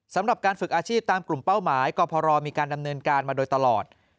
สำหรับการฝึกอาชีพตามกลุ่มเป้าหมายกรพรมีการดำเนินการมาโดยตลอด